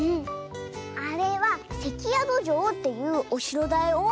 あれはせきやどじょうっていうおしろだよ。